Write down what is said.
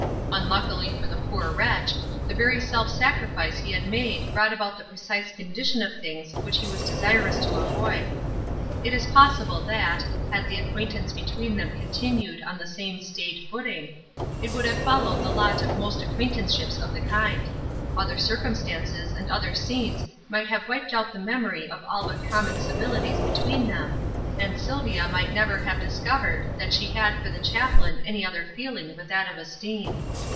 Unluckily for the poor wretch, the very self sacrifice he had made brought about the precise condition of things which he was desirous to avoid. It is possible that, had the acquaintance between them continued on the same staid footing, it would have followed the lot of most acquaintanceships of the kind other circumstances and other scenes might have wiped out the memory of all but common civilities between them, and Sylvia might never have discovered that she had for the chaplain any other feeling but that of esteem.